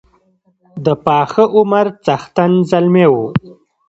د پاخه عمر څښتن زلمی وو.